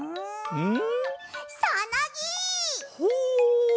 うん？